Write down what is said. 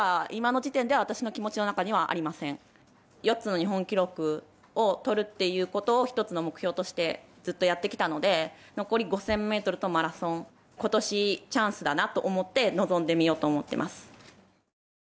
４つの日本記録をとるということを１つの目標としてずっとやってきたので残り５０００ｍとマラソン今年チャンスだなと思って臨んでみようと思っています。